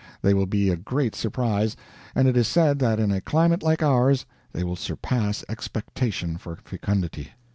They will be a great surprise, and it is said that in a climate like ours they will surpass expectation for fecundity.